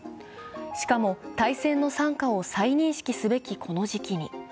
しかも、大戦の惨禍を再認識すべきこの時期に。